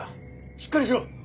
しっかりしろ！